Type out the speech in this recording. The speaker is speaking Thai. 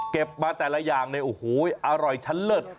เก็บมาแต่ละอย่างอร่อยชั้นเลิศ